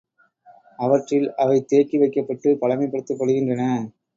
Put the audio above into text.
அவற்றில் அவை தேக்கி வைக்கப்பட்டுப் பழமைப்படுத்தப்படுகின்றன.